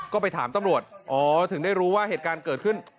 ก็ไปถามตำรวจอ๋อถึงได้รู้ว่าเหตุการณ์เกิดขึ้น